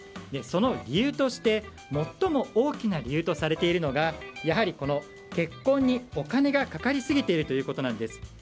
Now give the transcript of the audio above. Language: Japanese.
その理由として最も大きな理由とされているのがやはり結婚にお金がかかり過ぎているということなんです。